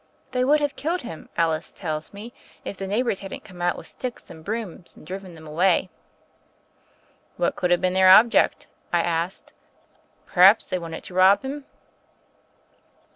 They would have killed him, Alice tells me, if the neighbors hadn't come out with sticks and brooms and driven them away." "What could have been their object?" I asked. "Perhaps they wanted to rob him."